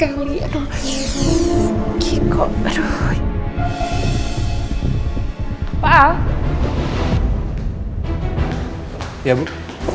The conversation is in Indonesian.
maaf pak saya mau bicara sebentar sama bapak